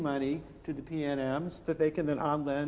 mereka tidak memberi tapi memberi uang ke pnm